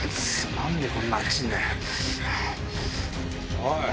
おい！